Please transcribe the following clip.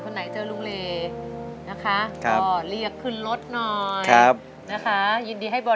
ก็เรียกขึ้นรถหน่อย